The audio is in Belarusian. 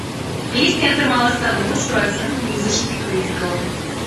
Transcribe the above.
Песня атрымала станоўчую ацэнку музычных крытыкаў.